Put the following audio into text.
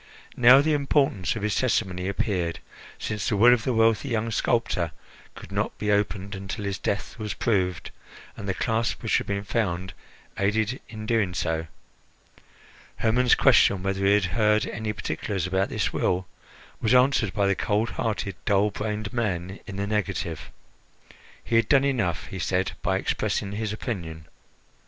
Now the importance of his testimony appeared, since the will of the wealthy young sculptor could not be opened until his death was proved, and the clasp which had been found aided in doing so. Hermon's question whether he had heard any particulars about this will was answered by the cold hearted, dull brained man in the negative. He had done enough, he said, by expressing his opinion.